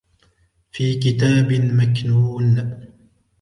في كتاب مكنون